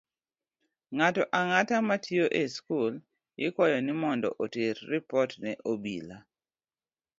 Ng'ato ang'ata matiyo e skul ikwayo ni mondo oter ripot ne obila